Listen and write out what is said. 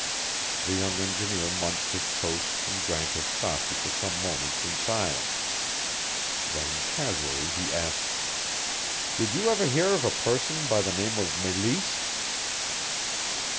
The young engineer munched his toast and drank his coffee for some moments in silence. Then, casually, he asked, "Did you ever hear of a person by the name of Meleese?"